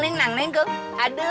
tunggu tunggu tunggu tunggu dong